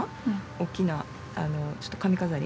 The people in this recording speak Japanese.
大きなちょっと髪飾り？